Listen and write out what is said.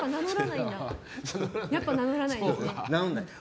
やっぱり名乗らないんですんで。